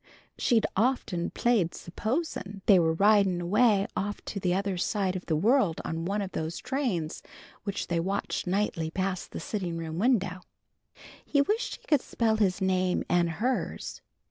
She'd often played "S'posen" they were riding away off to the other side of the world on one of those trains which they watched nightly pass the sitting room window. He wished he could spell his name and hers.